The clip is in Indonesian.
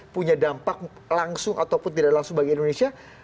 punya dampak langsung ataupun tidak langsung bagi indonesia